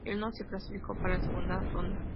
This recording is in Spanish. Él no se clasificó para la segunda ronda.